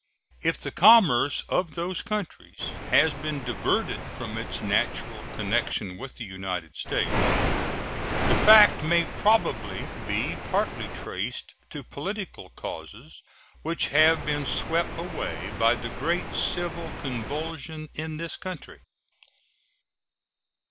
If the commerce of those countries has been diverted from its natural connection with the United States, the fact may probably be partly traced to political causes, which have been swept away by the great civil convulsion in this country.